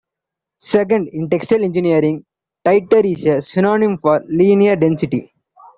Second, in textile engineering, titer is a synonym for linear density.